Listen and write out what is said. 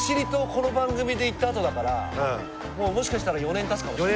この番組で行った後だからもうもしかしたら４年たつかもしれない。